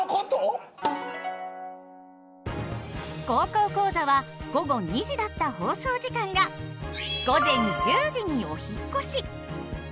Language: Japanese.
「高校講座」は午後２時だった放送時間が午前１０時にお引っ越し。